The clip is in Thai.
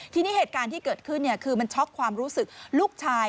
ทีนี้เหตุการณ์ที่เกิดขึ้นคือมันช็อกความรู้สึกลูกชาย